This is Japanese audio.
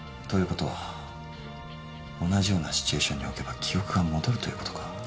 ということは同じようなシチュエーションに置けば記憶が戻るということか。